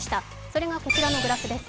それがこちらのグラフです。